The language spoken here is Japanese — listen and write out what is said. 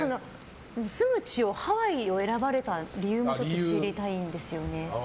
住む地をハワイを選ばれた理由を知りたいんですよね。